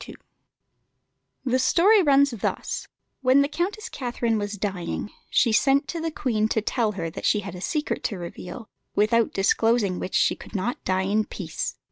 ] The story runs thus: When the Countess Catherine was dying, she sent to the Queen to tell her that she had a secret to reveal, without disclosing which she could not die in peace.